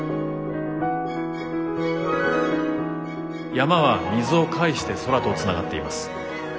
山は水を介して空とつながっています。